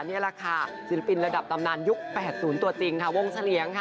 นี่แหละค่ะศิลปินระดับตำนานยุค๘๐ตัวจริงค่ะวงเฉลี่ยงค่ะ